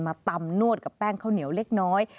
ตำนวดกับแป้งข้าวเหนียวเล็กน้อย